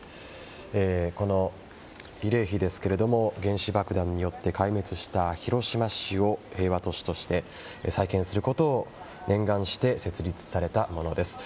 この慰霊碑ですけれども原子爆弾によって壊滅した広島市を平和都市として再建することを念願して設立されたものです。